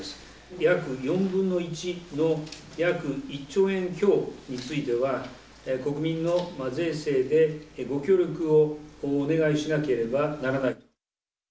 約４分の１の約１兆円強については、国民の税制でご協力をお願いしなければならない。